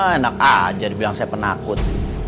enak aja dibilang saya penakut